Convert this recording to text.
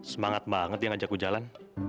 semangat banget dia ngajak ke jalan